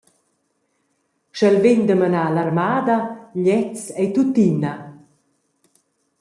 Sch’el vegn da menar l’armada, gliez ei tuttina.